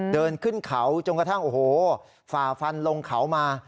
เดินขึ้นเขาจนกระทั่งโอ้โหฝ่าฟันลงเขามา